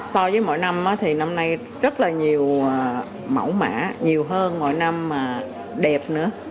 so với mỗi năm thì năm nay rất là nhiều mẫu mã nhiều hơn mỗi năm mà đẹp nữa